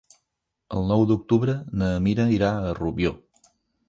El nou d'octubre na Mira irà a Rubió.